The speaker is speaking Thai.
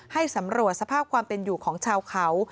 ให้สำรวจสภาพความเป็นอยู่ของชาวเขา